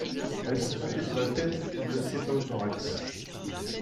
Elles sont portées sur la tête ou le céphalothorax.